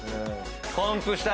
コンプした。